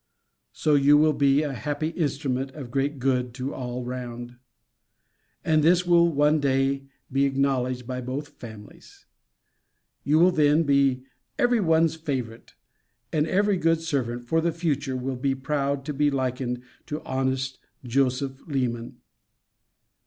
So you will be a happy instrument of great good to all round. And this will one day be acknowledged by both families. You will then be every one's favourite; and every good servant, for the future, will be proud to be likened to honest Joseph Leman.